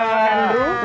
wah itu di jeno